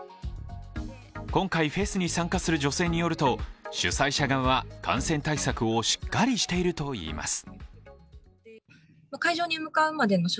今回フェスに参加する女性によると、主催者側は感染対策をしっかりしているといいます。